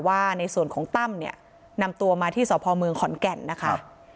ว่าในส่วนของตั้มเนี่ยนำตัวมาที่สพเมืองขอนแก่นนะคะ